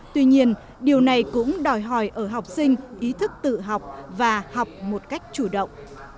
tuy nhiên điều này cũng đòi hỏi ở học sinh ý thức tự học và học một cách chủ động